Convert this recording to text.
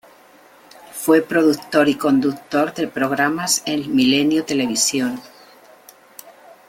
Fue productor y conductor de programas en Milenio Televisión.